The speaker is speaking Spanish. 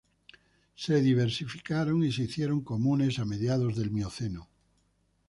Se diversificaron y se hicieron comunes a mediados del Mioceno.